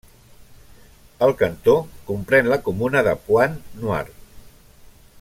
El cantó comprèn la comuna de Pointe-Noire.